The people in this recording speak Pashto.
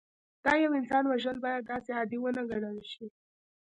د یو انسان وژل باید داسې عادي ونه ګڼل شي